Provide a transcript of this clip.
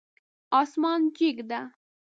اسمان جګ ده